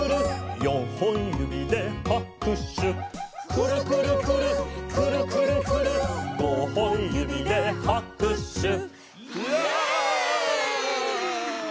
「よんほんゆびではくしゅ」「くるくるくるっくるくるくるっ」「ごほんゆびではくしゅ」イエイ！